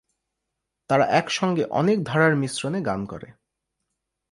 তারা একসঙ্গে অনেক ধারার মিশ্রণে গান করে।